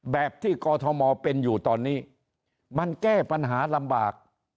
แบบที่กอทมเป็นอยู่ตอนนี้มันแก้ปัญหาลำบาก